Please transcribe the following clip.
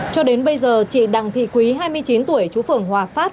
cho đến bây giờ chị đặng thị quý hai mươi chín tuổi chú phường hòa phát